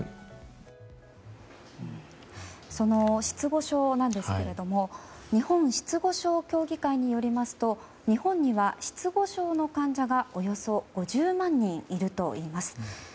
失語症なんですけれども日本失語症協議会によりますと日本には失語症の患者がおよそ５０万人いるといいます。